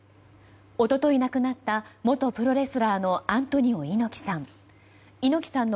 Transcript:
一昨日亡くなった元プロレスラーのアントニオ猪木さん。